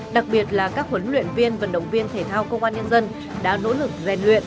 đặc biệt là các huấn luyện viên vận động viên thể thao công an nhân dân đã nỗ lực rèn luyện